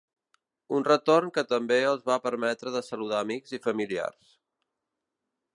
Un retorn que també els va permetre de saludar amics i familiars.